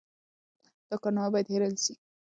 دا کارنامه باید هېره نه سي.